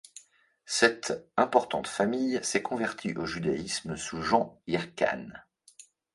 Cette importante famille s'est convertie au judaïsme sous Jean Hyrcan.